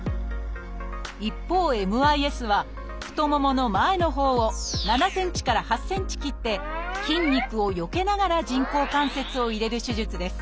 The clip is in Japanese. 一方ＭＩＳは太ももの前のほうを７センチから８センチ切って筋肉をよけながら人工関節を入れる手術です